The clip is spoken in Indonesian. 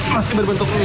masih berbentuk ini